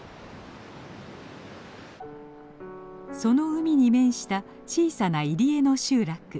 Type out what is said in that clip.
その海に面した小さな入り江の集落。